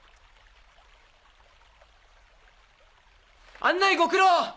案内ご苦労！